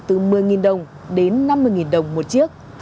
từ một mươi đồng đến năm mươi đồng một chiếc